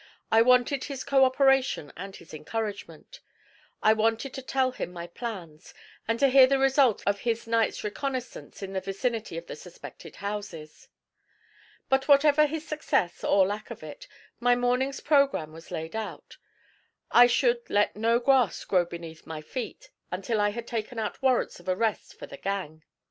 I wanted his co operation and his encouragement. I wanted to tell him my plans and to hear the result of his night's reconnaissance in the vicinity of the suspected houses. But whatever his success or lack of it, my morning's programme was laid out. I should 'let no grass grow beneath my feet' until I had taken out warrants of arrest for the 'gang.'